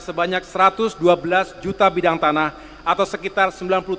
sebanyak satu ratus dua belas juta bidang tanah terdaftar